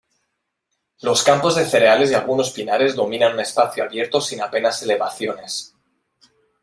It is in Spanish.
Los campos de cereales y algunos pinares dominan un espacio abierto sin apenas elevaciones.